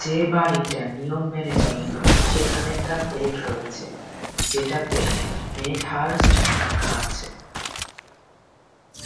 যে-বাড়িটা নিয়ম মেনে চলে না, সেখানে একটা প্লেট রয়েছে, যেটাতে মেডহার্স্ট লেখা আছে।